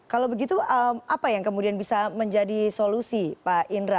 kalau begitu apa yang kemudian bisa menjadi solusi pak indra